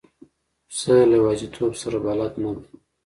پسه له یوازیتوب سره بلد نه دی.